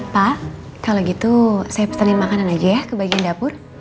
pak kalau gitu saya pesanin makanan aja ya ke bagian dapur